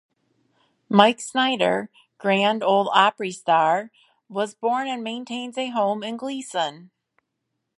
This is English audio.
Mike Snider, Grand Ole Opry star, was born and maintains a home in Gleason.